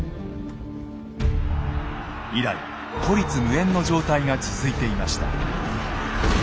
以来孤立無援の状態が続いていました。